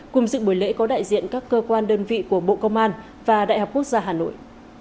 cùng dự buổi lễ có đại diện các cơ quan đơn vị của bộ công an và đại học quốc gia hà nội